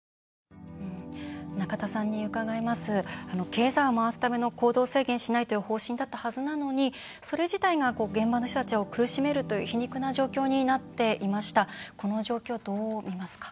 経済を回すための行動制限しないという方針だったはずなのにそれ自体が現場の人たちを苦しめるという皮肉な状況になっていました。